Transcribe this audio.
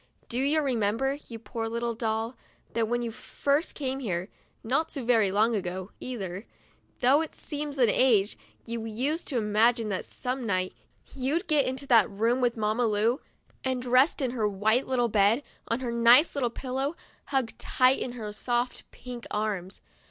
Do you remember, you poor little doll, that when you first came here, not so very long ago either, though it seems an age, you used to imagine that some night you'd get into that room with Mamma Lu, and rest in her white little bed, on her nice little pillow, hugged tight in her soft pink arms.